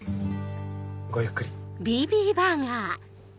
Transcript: ごゆっくり。